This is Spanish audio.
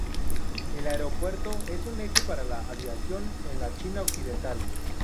El aeropuerto es un eje para la aviación en la China occidental.